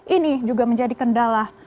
ini juga menjadi kendala